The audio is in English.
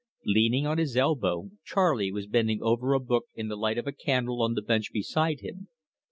Leaning on his elbow Charley was bending over a book in the light of a candle on the bench be side him.